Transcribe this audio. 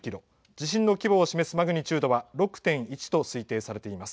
地震の規模を示すマグニチュードは、６．１と推定されています。